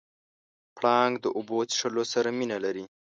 پړانګ د اوبو څښلو سره مینه لري.